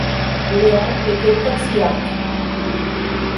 Léon était taxiarque.